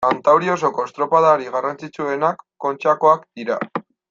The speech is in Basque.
Kantauri osoko estropadarik garrantzitsuenak Kontxakoak dira.